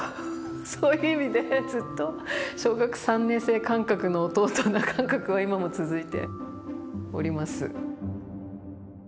そういう意味でずっと小学３年生感覚の弟な感覚が今も続いております。